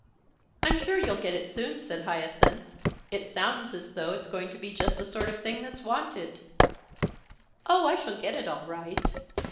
"I'm sure you'll get it soon," said Hyacinth. "It sounds as thought it's going to be just the sort of thing that's wanted." "Oh, I shall get it all right.